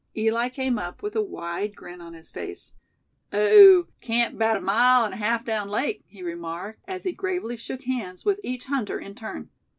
Eli came up, with a wide grin on his face. "Oh! camp about mile and a half down lake," he remarked, as he gravely shook hands with each hunter in turn.